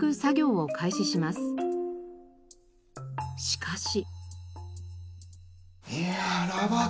しかし。